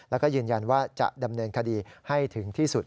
แล้วก็ยืนยันว่าจะดำเนินคดีให้ถึงที่สุด